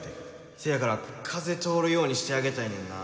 せやから風通るようにしてあげたいねんな。